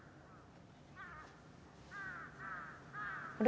あれ？